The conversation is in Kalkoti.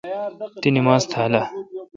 تی نماز تھال اہ؟